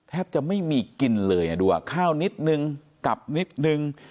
แทบจะไม่มีกินเลยดูข้าวนิดนึงกลับนิดนึง